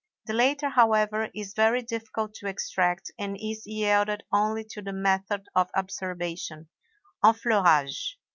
The latter, however, is very difficult to extract and is yielded only to the method of absorption (enfleurage).